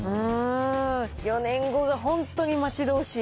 ４年後が本当に待ち遠しい。